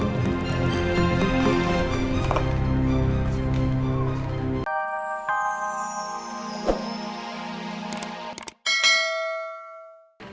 ini kok resepnya